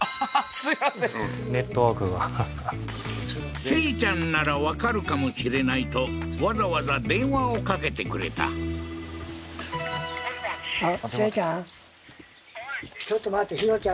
すいませんネットワークがははっセイちゃんならわかるかもしれないとわざわざ電話をかけてくれたははははっ